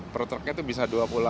per truknya itu bisa